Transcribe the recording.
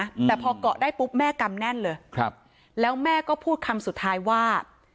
อืมแต่พอเกาะได้ปุ๊บแม่กำแน่นเลยครับแล้วแม่ก็พูดคำสุดท้ายว่า